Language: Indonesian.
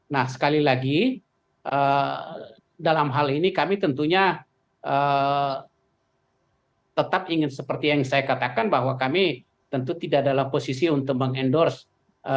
nah sekali lagi dalam hal ini kami tentunya tetap ingin seperti yang saya katakan bahwa kami tentu tidak dalam posisi untuk mengendorse